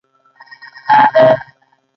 دوی په دغو یرغلونو کې بېخي ري نه واهه.